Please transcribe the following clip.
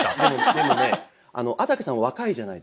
でもね安宅さん若いじゃないですか。